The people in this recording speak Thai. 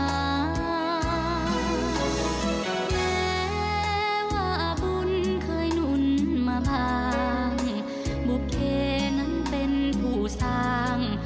แม้ว่าบุญเคยหนุนมาบ้างบุคเทนั้นเป็นผู้สร้าง